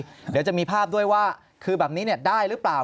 เดี๋ยวจะมีภาพด้วยว่าคือแบบนี้ได้หรือเปล่า